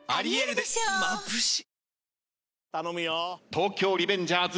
東京リベンジャーズ